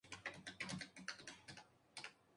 Se mantuvo hasta el mes de diciembre.